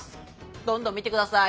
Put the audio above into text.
どんどん見て下さい。